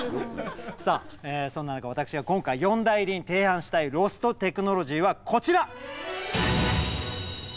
さあそんな中私が今回四大入りに提案したいロストテクノロジーはこちら。